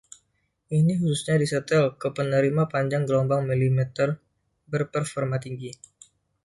Ini khususnya disetel ke penerima panjang gelombang milimeter berperforma tinggi.